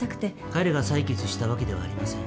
彼が裁決したわけではありません。